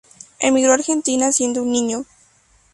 Emigró a Argentina siendo un niño.